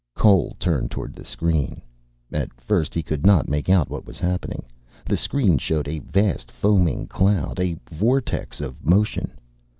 Cole turned toward the screen. At first he could not make out what was happening. The screen showed a vast foaming cloud, a vortex of motion.